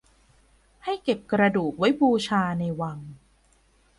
ให้เก็บกระดูกไว้บูชาในวัง